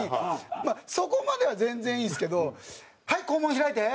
まあそこまでは全然いいんですけど「はい肛門開いて」